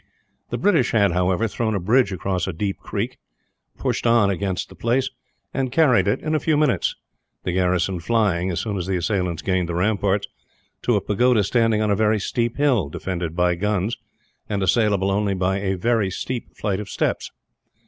The British had, however, thrown a bridge across a deep creek, pushed on against the place, and carried it in a few minutes; the garrison flying, as soon as the assailants gained the ramparts, to a pagoda standing on a very steep hill, defended by guns, and assailable only by a very steep flight of steps.